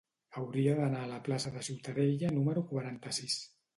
Hauria d'anar a la plaça de Ciutadella número quaranta-sis.